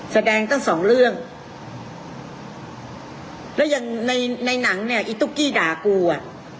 แสดงตั้งสองเรื่องแล้วอย่างในในหนังเนี่ยอีตุ๊กกี้ด่ากูอ่ะ